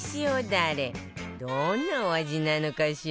どんなお味なのかしら？